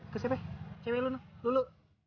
ke siapa cewek dulu